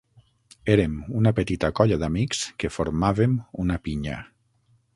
Érem una petita colla d'amics que formàvem una pinya.